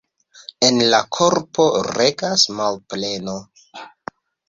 En la korpo regas malpleno.